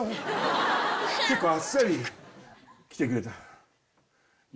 結構あっさり来てくれた。